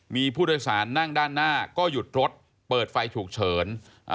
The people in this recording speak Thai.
มีผู้โดยสารนั่งด้านหน้าก็หยุดรถเปิดไฟฉุกเฉิน